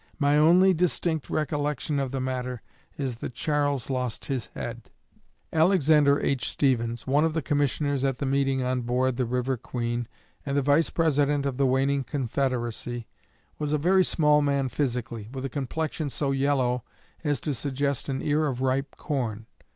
My only distinct recollection of the matter is that Charles lost his head.'" Alexander H. Stephens, one of the commissioners at the meeting on board the "River Queen," and the Vice President of the waning Confederacy, was a very small man physically, with a complexion so yellow as to suggest an ear of ripe corn.